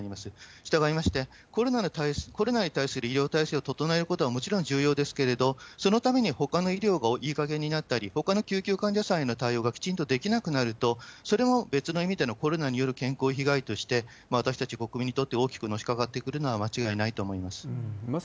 したがいまして、コロナに対する医療体制を整えることはもちろん重要ですけれども、そのためにほかの医療がいいかげんになったり、ほかの救急患者さんへの対応がきちんとできなくなると、それも別の意味でのコロナによる健康被害として、私たち国民にとって大きくのしかかってくるのは間違いないと思います。